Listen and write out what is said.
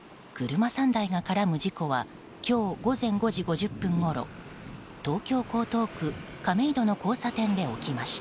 車３台が絡む事故は今日午前５時５０分ごろ東京・江東区亀戸の交差点で起きました。